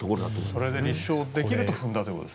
それで立証できると踏んだと。